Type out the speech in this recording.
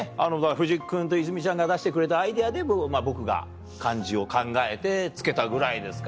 藤木君と泉ちゃんが出してくれたアイデアで僕が漢字を考えて付けたぐらいですからね。